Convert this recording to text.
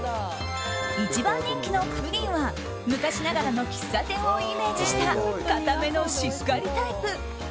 一番人気のプリンは昔ながらの喫茶店をイメージした固めのしっかりタイプ。